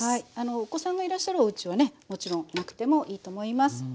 お子さんがいらっしゃるおうちはねもちろんなくてもいいと思います。